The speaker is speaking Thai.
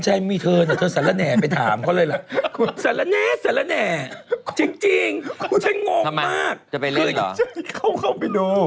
จะไปเล่นเหรอจะเข้าไปดู